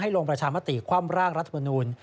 ให้ลงประชามติความร่างรัฐมนูญ